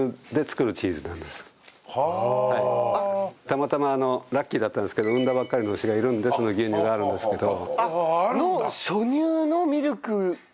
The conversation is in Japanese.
たまたまラッキーだったんですけど産んだばっかりの牛がいるんでその牛乳があるんですけど。